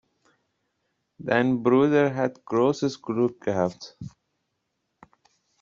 Dein Bruder hat großes Glück gehabt.